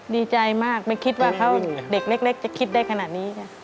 ดีใจมากไม่คิดว่าเด็กเล็กจะคิดได้ขนาดนี้